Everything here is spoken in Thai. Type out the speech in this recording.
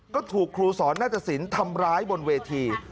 ก็ถูกครูสอนนาตสินทำร้ายบนเวที